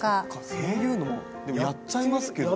そういうのでもやっちゃいますけどね。